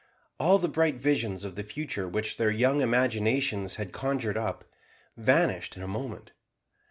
All the bright visions of the future which their young imaginations had conjured up, vanished in a moment.